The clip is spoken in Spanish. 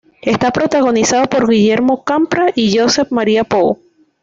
Está protagonizada por Guillermo Campra y Josep Maria Pou.